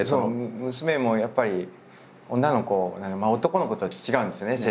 娘もやっぱり女の子男の子とは違うんですよね